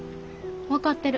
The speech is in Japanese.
分かってる。